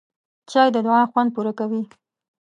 چای د دعا خوند پوره کوي